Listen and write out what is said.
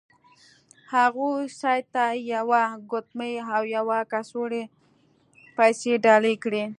هغوی سید ته یوه ګوتمۍ او یوه کڅوړه پیسې ډالۍ کړې.